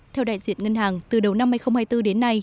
theo đại diện ngân hàng từ đầu năm hai nghìn hai mươi bốn đến nay